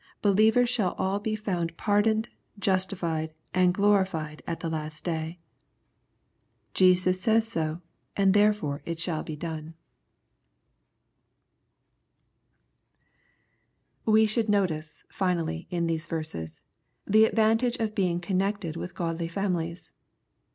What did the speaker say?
Believers shall all hq foun^ pardoned, justified, and glorified a,{ the Ic^st day. Jesus says so, ' Qnd theretore it shall be done. 204 EXPOSITOBT THODGHTS. We should notice, finally, in these verses, the advan* tage of being connected with godly families.